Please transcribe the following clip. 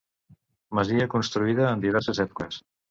Masia construïda en diverses èpoques.